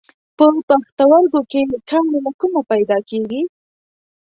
په پښتورګو کې کاڼي له کومه پیدا کېږي؟